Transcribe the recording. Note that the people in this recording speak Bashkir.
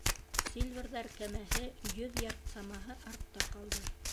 Сильверҙар кәмәһе йөҙ ярд самаһы артта ҡалды.